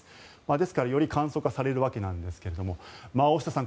ですからより簡素化されるわけなんですが大下さん